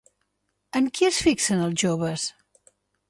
En qui es fixen els joves?